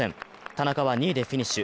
田中は２位でフィニッシュ。